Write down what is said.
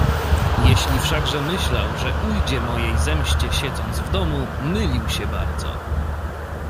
"Jeśli wszakże myślał, że ujdzie mojej zemście, siedząc w domu, mylił się bardzo."